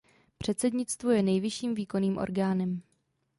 Předsednictvo je nejvyšším výkonným orgánem.